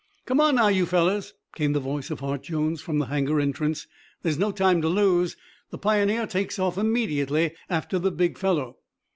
"Come on now, you fellows," came the voice of Hart Jones from the hangar entrance, "there's no time to lose. The Pioneer takes off immediately after the big fellow."